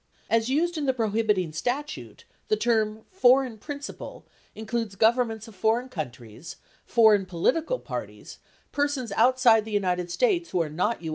31 As used in the prohibiting statute, the term "foreign principal," includes governments of foreign countries, foreign political parties, persons outside the United States who are not U.